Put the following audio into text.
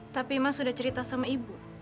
tapi mas sudah cerita sama ibu